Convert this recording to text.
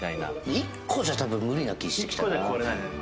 １個じゃたぶん無理な気してきたな。